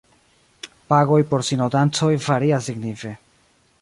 Pagoj por sinodancoj varias signife.